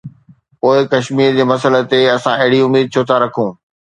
پوءِ ڪشمير جي مسئلي تي اسان اهڙي اميد ڇو ٿا رکون؟